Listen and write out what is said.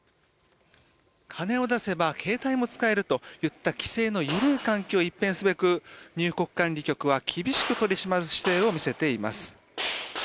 金を出せば携帯も使えるといった規制の緩い環境を一変すべく入国管理局は厳しく取り締まる姿勢を見せています。